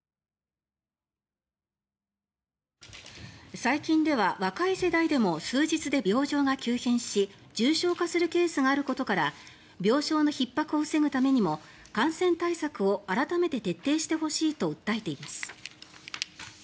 最近では若い世代でも数日で病状が急変し重症化するケースがあることから病床のひっ迫を防ぐためにも感染対策を改めて徹底してほしいと訴えています。